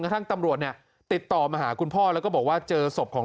ทั้งตำรวจเนี่ยติดต่อมาหาคุณพ่อแล้วก็บอกว่าเจอศพของ